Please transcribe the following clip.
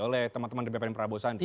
oleh teman teman dari bpn prabowo sadiq